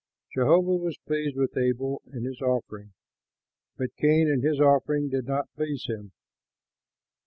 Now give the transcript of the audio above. Jehovah was pleased with Abel and his offering, but Cain and his offering did not please him.